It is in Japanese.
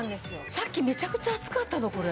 さっきめちゃくちゃ熱かったのこれ。